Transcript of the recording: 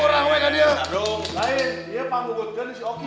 lain dia panggung buat gini si oki